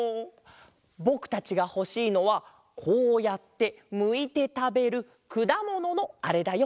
ぼくたちがほしいのはこうやってむいてたべるくだもののあれだよ。